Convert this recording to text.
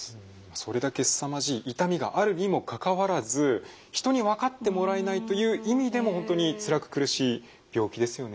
それだけすさまじい痛みがあるにもかかわらず人に分かってもらえないという意味でも本当につらく苦しい病気ですよね。